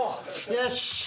よし！